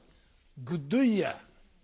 グッドイヤー。